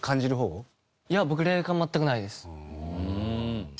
いや僕霊感全くないです。